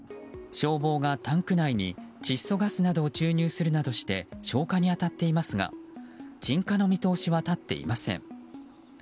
消防がタンク内に窒素ガスなどを注入するなどして消火に当たっていますが鎮火の見通しは立っていません。